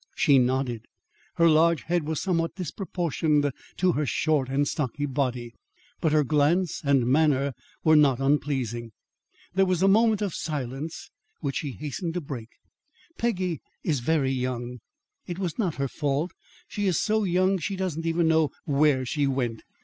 She nodded. Her large head was somewhat disproportioned to her short and stocky body. But her glance and manner were not unpleasing. There was a moment of silence which she hastened to break. "Peggy is very young; it was not her fault. She is so young she doesn't even know where she went.